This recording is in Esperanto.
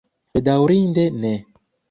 Bedaŭrinde ne.